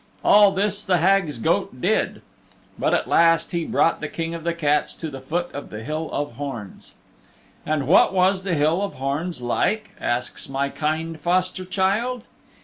All this the Hag's goat did. But at last he brought the King of the Cats to the foot of the Hill of Horns. And what was the Hill of Horns like, asks my kind foster child.